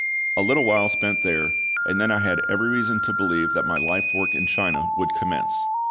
A little while spent there, and then I had every reason to believe that my life work in China would commence.